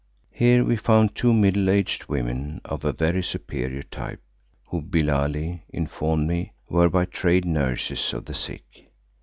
Here we found two middle aged women of a very superior type, who, Billali informed me, were by trade nurses of the sick.